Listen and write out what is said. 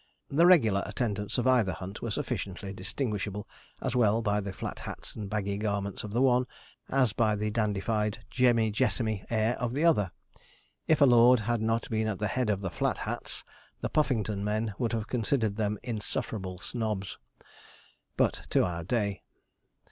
The regular attendants of either hunt were sufficiently distinguishable as well by the flat hats and baggy garments of the one, as by the dandified, Jemmy Jessamy air of the other. If a lord had not been at the head of the Flat Hats, the Puffington men would have considered them insufferable snobs. But to our day.